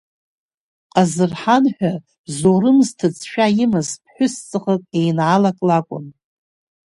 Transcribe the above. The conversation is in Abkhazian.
Ҟазырҳан ҳәа Зоурым зҭыӡшәа имаз ԥҳәыс ҵаӷак, еинаалак лакәын.